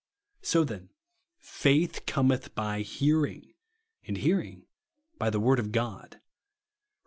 " So then FAITH COMETH BY HEAKING, AND HEARING BY THE WORD OF GOD," (Eom.